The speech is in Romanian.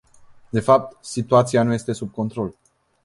De fapt, situația nu este sub control.